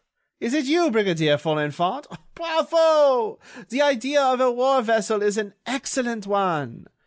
Ah! is it you, Brigadier Folenfant? Bravo! The idea of a war vessel is an excellent one.